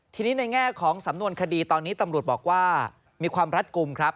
ทีนี้ในแง่ของสำนวนคดีตอนนี้ตำรวจบอกว่ามีความรัดกลุ่มครับ